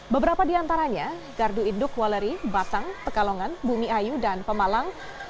beberapa di antaranya gardu induk waleri batang pekalongan bumi ayu dan pemalang